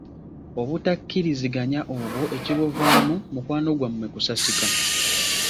Obutakkiriziganya obwo, ekibuvaamu, mukwano gwammwe kusasika.